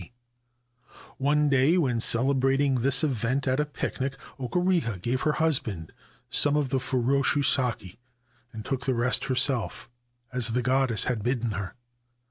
D. One day, when celebrating this event at a picnic, Okureha gave her husband some of the furoshu sake, and took the rest herself, as the goddess had bidden her.